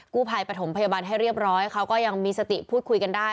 กู้ภัยปฐมพยาบาลให้เรียบร้อยเขาก็ยังมีสติพูดคุยกันได้